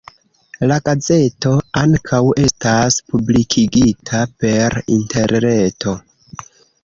La gazeto ankaŭ estas publikigita per interreto.